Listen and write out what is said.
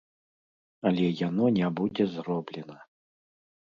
Але яно не будзе зроблена!!!